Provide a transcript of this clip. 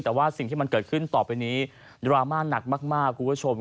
แต่ว่าสิ่งที่มันเกิดขึ้นต่อไปนี้ดราม่าหนักมากคุณผู้ชม